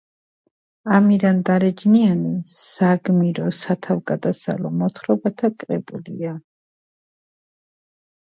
ნარმადი განიხილება როგორც ინდოეთის ყველაზე წმინდა მდინარე განგის შემდგომ.